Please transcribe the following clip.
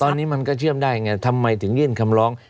ตอนนี้มันก็เชื่อมได้ไงทำไมถึงยื่นคำร้อง